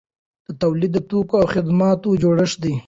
تولید د توکو او خدماتو جوړښت دی.